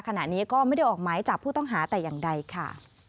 ขณะนี้ก็ไม่ได้ออกหมายจับผู้ต้องหาแต่อย่างใดค่ะ